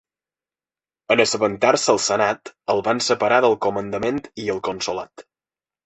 En assabentar-se el Senat, el van separar del comandament i el consolat.